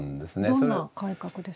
どんな改革ですか？